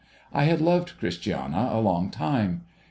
I had loved (Christiana a long time.